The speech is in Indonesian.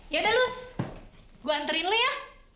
yaudah lus gue anterin lu ya